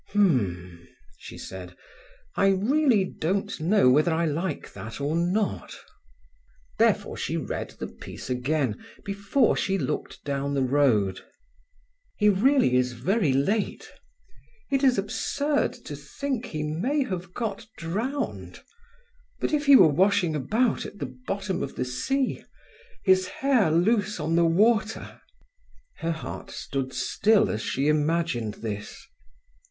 "H'm!" she said, "I really don't know whether I like that or not." Therefore she read the piece again before she looked down the road. "He really is very late. It is absurd to think he may have got drowned; but if he were washing about at the bottom of the sea, his hair loose on the water!" Her heart stood still as she imagined this.